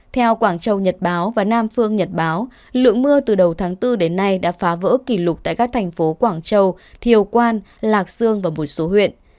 theo quảng châu nhật báo và nam phương nhật báo lượng mưa từ đầu tháng bốn đến nay đã phá vỡ kỷ lục tại các thành phố quảng châu thiều quan lạc sương và một số huyện